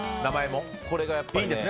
これがやっぱりね。